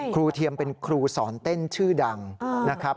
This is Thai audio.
เทียมเป็นครูสอนเต้นชื่อดังนะครับ